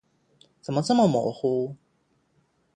怎么这么模糊？